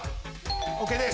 ＯＫです。